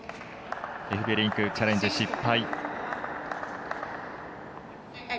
エフベリンク、チャレンジ失敗。